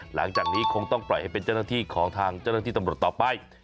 หลังจากนี้คงต้องปล่อยให้เป็นเจ้าหน้าที่ของทางเจ้าหน้าที่ตำรวจต่อไป